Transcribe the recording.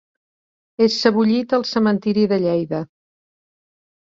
És sebollit al Cementiri de Lleida.